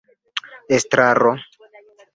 estraro